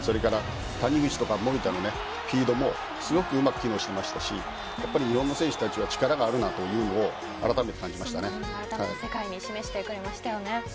谷口とか守田もフィードもすごくうまく機能していましたし日本の選手たち力があるなというのを世界に示してくれましたよね。